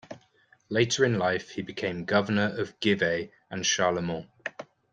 Later in life he became Governor of Givet and Charlemont.